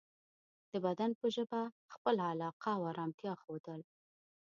د بدن په ژبه خپله علاقه او ارامتیا ښودل